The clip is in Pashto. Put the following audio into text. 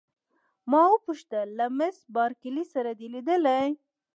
ما وپوښتل: له مس بارکلي سره دي لیدلي؟